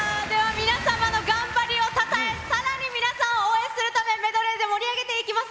皆様の頑張りをたたえ、さらに皆さんを応援するため、メドレーで盛り上げていきます。